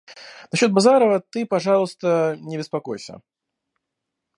Насчет Базарова ты, пожалуйста, не беспокойся.